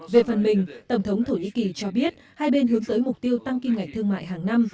về phần mình tổng thống thổ nhĩ kỳ cho biết hai bên hướng tới mục tiêu tăng kim ngạch thương mại hàng năm